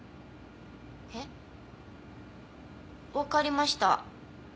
えっ？わかりました。